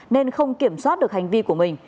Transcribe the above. nên không kiểm soát được hành vi của mình